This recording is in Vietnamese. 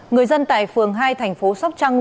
người dân tại phường hai thành phố sóc trăng